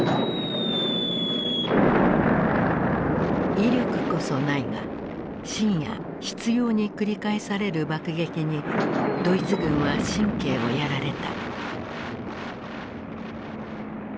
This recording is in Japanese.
威力こそないが深夜執ように繰り返される爆撃にドイツ軍は神経をやられた。